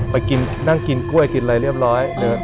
ไปกินนั่งกินกล้วยกินอะไรเรียบร้อย